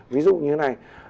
ví dụ như thế này